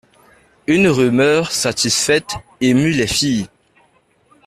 Une rumeur satisfaite émut les files.